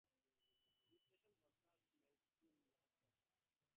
The station broadcasts a mainstream rock format.